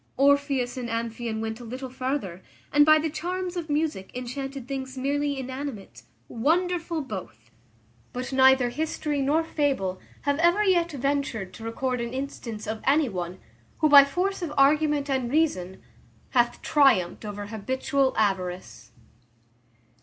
Orpheus and Amphion went a little farther, and by the charms of music enchanted things merely inanimate. Wonderful, both! but neither history nor fable have ever yet ventured to record an instance of any one, who, by force of argument and reason, hath triumphed over habitual avarice.